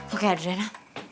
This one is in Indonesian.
oke aduh dana